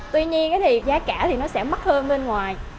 tuy nhiên cái giá cả thì nó sẽ mắc hơn bên ngoài